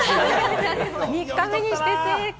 ３日目にして正解。